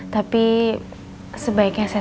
tapi sebaiknya saya